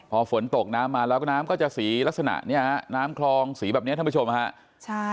พอฝนตกน้ำมาแล้วก็น้ำก็จะสีลักษณะเนี่ยฮะน้ำคลองสีแบบนี้ท่านผู้ชมฮะใช่